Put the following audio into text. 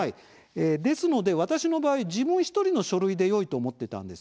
ですので、私の場合自分１人の書類でよいと思っていたんです。